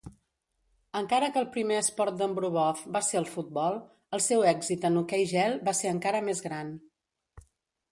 Encara que el primer esport d'en Bobrov va ser el futbol, el seu èxit en hoquei gel va ser encara més gran.